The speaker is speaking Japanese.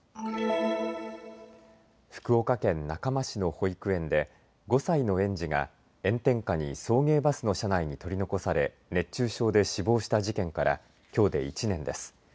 福岡県中間市の保育園で５歳の園児が炎天下に送迎バスの車内に取り残され熱中症で死亡した事件からきょうで１年です。